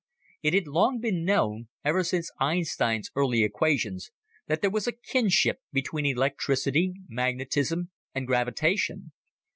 It had long been known, ever since Einstein's early equations, that there was a kinship between electricity, magnetism, and gravitation.